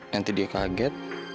nanti dia kaget